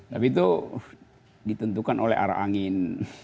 tapi itu ditentukan oleh arah angin